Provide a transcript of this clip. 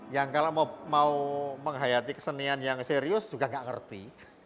yang kalau mau menghayati kesenian yang serius juga nggak ngerti